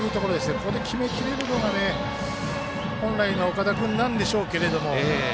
ここで決めきれるのが、本来の岡田君なんでしょうけれども。